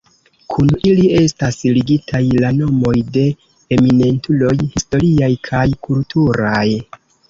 Kun ili estas ligitaj la nomoj de eminentuloj historiaj kaj kulturaj.